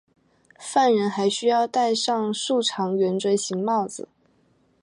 犯人还需要戴上竖长圆锥形帽子。